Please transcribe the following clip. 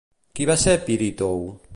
Qui va ser Pirítou?